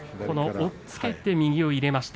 おっつけて右を入れました。